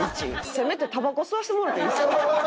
せめてタバコ吸わしてもろていいですか？